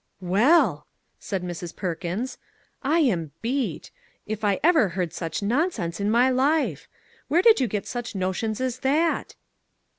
" Well! " said Mrs. Perkins, " I am beat! if ever I heard such nonsense in my life ! Where did you get such notions as that